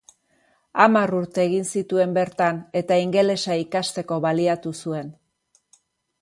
Hamar urte egin zituen bertan eta ingelesa ikasteko baliatu zuen.